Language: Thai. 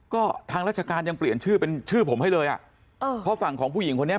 ก็ทางราชการยังเปลี่ยนชื่อเป็นชื่อผมให้เลยอ่ะเออเพราะฝั่งของผู้หญิงคนนี้